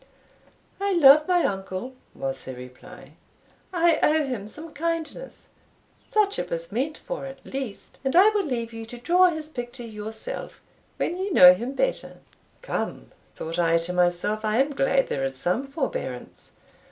"I love my uncle," was her reply: "I owe him some kindness (such it was meant for at least), and I will leave you to draw his picture yourself, when you know him better." "Come," thought I to myself, "I am glad there is some forbearance.